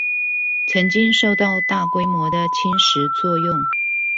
曾經受到大規模的侵蝕作用